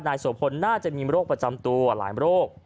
โสพลน่าจะมีโรคประจำตัวหลายโรค